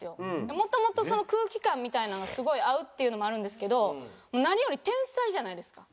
元々その空気感みたいなのがすごい合うっていうのもあるんですけど何より天才じゃないですか。